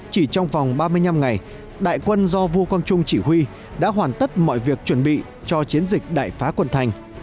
chỉ trong vòng ba mươi năm ngày đại quân do vũ quang trung chỉ huy đã hoàn tất mọi việc chuẩn bị cho chiến dịch đại phá quân thành